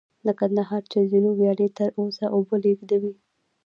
د کندهار چل زینو ویالې تر اوسه اوبه لېږدوي